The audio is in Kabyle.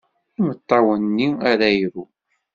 Imeṭṭawen-nni ara iru.